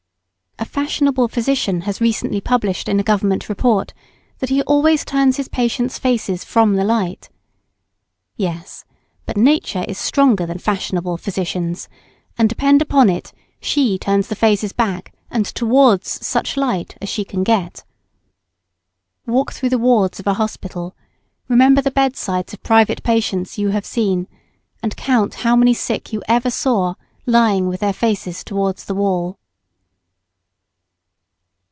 A fashionable physician has recently published in a government report that he always turns his patient's faces from the light. Yes, but nature is stronger than fashionable physicians, and depend upon it she turns the faces back and towards such light as she can get. Walk through the wards of a hospital, remember the bed sides of private patients you have seen, and count how many sick you ever saw lying with their faces towards the wall.